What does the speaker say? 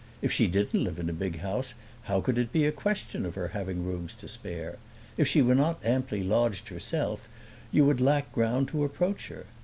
"If she didn't live in a big house how could it be a question of her having rooms to spare? If she were not amply lodged herself you would lack ground to approach her.